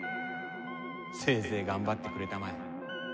せいぜい頑張ってくれたまえ。